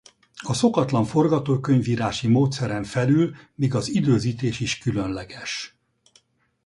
A szokatlan forgatókönyvírási módszeren felül még az időzítés is különleges.